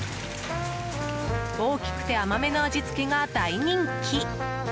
大きくて甘めの味付けが大人気。